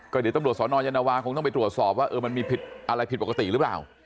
เดี๋ยวตำรวจสนยานวาคงต้องไปตรวจสอบว่ามันมีผิดอะไรผิดปกติหรือเปล่า